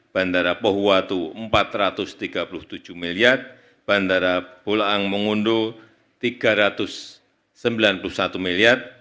bandara pohuwatu rp empat ratus tiga puluh tujuh miliar bandara pulang mengunduh rp tiga ratus sembilan puluh satu miliar